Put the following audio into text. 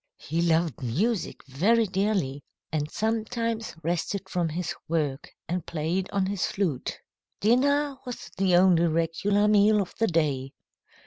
"He loved music very dearly, and sometimes rested from his work and played on his flute. "Dinner was the only regular meal of the day.